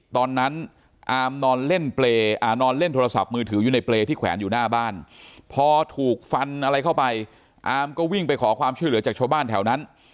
ตอนนั้นอามนอนเล่นนอนเล่นโทรศัพท์มือถืออยู่ในเปรย์ที่แขวนอยู่หน้าบ้านพอถูกฟันอะไรเข้าไปอามก็วิ่งไปขอความช่วยเหลือจากชาวบ้านแถวนั้น